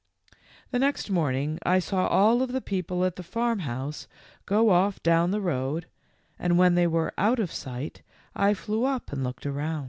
M The next morning I saw all of the people at the farmhouse go off down the road, and when they were out of sight I flew up and looked about.